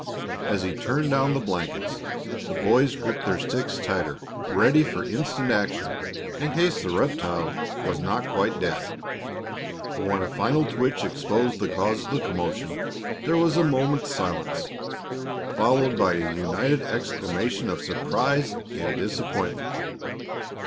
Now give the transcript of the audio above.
As he turned down the blankets, the boys gripped their sticks tighter, ready for instant action in case the reptile were not quite dead. But when a final twitch exposed the cause of the commotion, there was a moment's silence, followed by a united exclamation of surprise and disappointment.